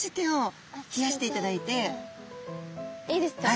いいですか？